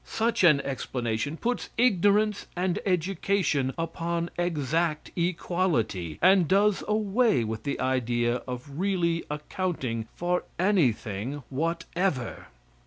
Such an explanation puts ignorance and education upon exact equality, and does away with the idea of really accounting for anything whatever.